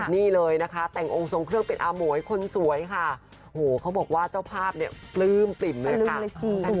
นี่เลยนะคะแต่งองค์ทรงเครื่องเป็นอาหมวยคนสวยค่ะโหเขาบอกว่าเจ้าภาพเนี่ยปลื้มปิ่มเลยค่ะ